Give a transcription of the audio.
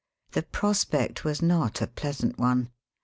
The prospect was not a pleasant one.